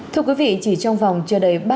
thưa quý vị chỉ trong vòng chưa đầy